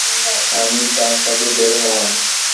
আমি তার সাথে বের হলাম।